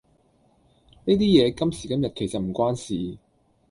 呢啲嘢今時今日其實唔關事